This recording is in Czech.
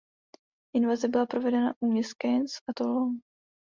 Invaze byla provedena u měst Cannes a Toulon.